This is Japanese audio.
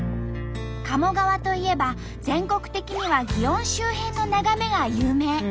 鴨川といえば全国的には園周辺の眺めが有名。